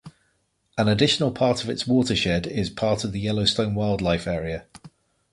An additional of its watershed is part of the Yellowstone Wildlife Area.